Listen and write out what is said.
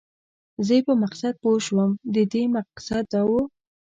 زه یې په مقصد پوه شوم، د دې مقصد دا و.